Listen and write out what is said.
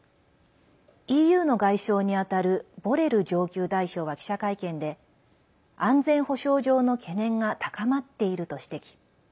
ＥＵの外相にあたるボレル上級代表は記者会見で安全保障上の懸念が高まっていると指摘。